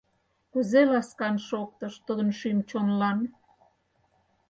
Кузе ласкан шоктыш тудын шӱм-чонлан!